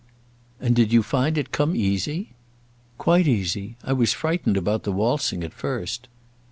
"And did you find it come easy?" "Quite easy. I was frightened about the waltzing, at first."